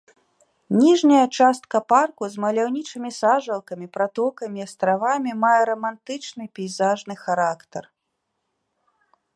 Ніжняя частка парку з маляўнічымі сажалкамі, пратокамі і астравамі мае рамантычны пейзажны характар.